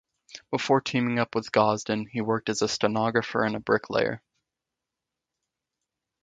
Before teaming up with Gosden, he worked as a stenographer and a bricklayer.